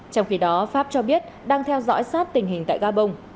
trong khi đó pháp cho biết đang theo dõi sát tình hình tại gabon